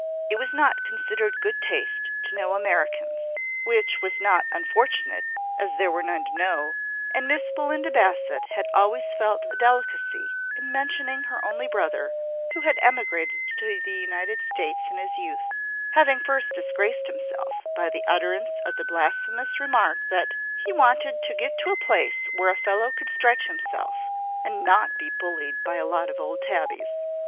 It was not considered good taste to know Americans, which was not unfortunate, as there were none to know; and Miss Belinda Bassett had always felt a delicacy in mentioning her only brother, who had emigrated to the United States in his youth, having first disgraced himself by the utterance of the blasphemous remark that "he wanted to get to a place where a fellow could stretch himself, and not be bullied by a lot of old tabbies."